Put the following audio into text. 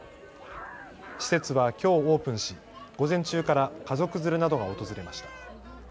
施設はきょうオープンし午前中から家族連れなどが訪れました。